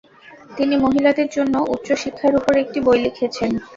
তিনি মহিলাদের জন্য উচ্চ শিক্ষার উপর একটি বই লিখেছেন।